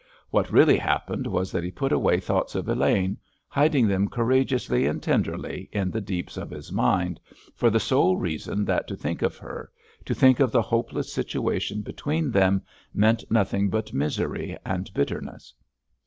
What really happened was that he put away thoughts of Elaine, hiding them courageously and tenderly in the deeps of his mind, for the sole reason that to think of her, to think of the hopeless situation between them, meant nothing but misery and bitterness.